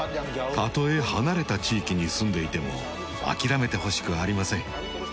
たとえ離れた地域に住んでいても諦めてほしくありません。